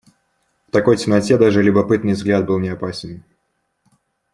В такой темноте даже и любопытный взгляд был неопасен.